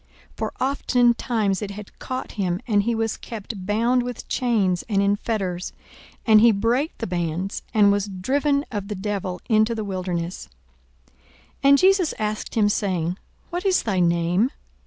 For oftentimes it had caught him: and he was kept bound with chains and in fetters; and he brake the bands, and was driven of the devil into the wilderness.) 42:008:030 And Jesus asked him, saying, What is thy name?